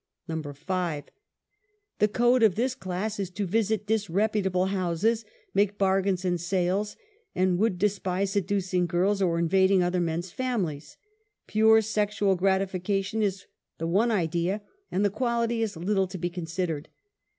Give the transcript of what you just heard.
5. The code of this class is to visit disreputable houses, make bargains and sales, and would despise seducing girls, or invading other men's families — pure sexual gratification is the one idea, and the quality is little to be considered.